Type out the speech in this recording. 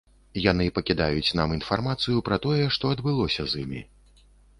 Яны пакідаюць нам інфармацыю пра тое, што адбылося з імі.